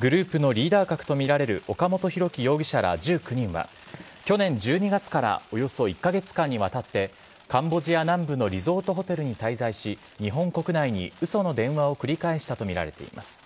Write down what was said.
グループのリーダー格とみられる岡本大樹容疑者ら１９人は去年１２月からおよそ１カ月間にわたってカンボジア南部のリゾートホテルに滞在し日本国内に嘘の電話を繰り返したとみられています。